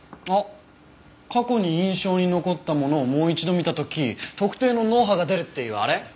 あっ過去に印象に残ったものをもう一度見た時特定の脳波が出るっていうあれ？